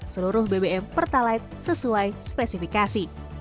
seluruh bbm pertalite sesuai spesifikasi